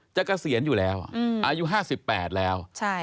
เกษียณอยู่แล้วอายุ๕๘แล้ว